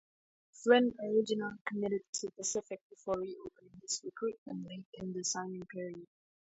Flynn originally committed to Pacific before reopening his recruitment late in the signing period.